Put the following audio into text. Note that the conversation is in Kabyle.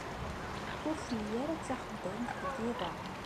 Ur telli ara d taxeddamt deg yiḍ-a.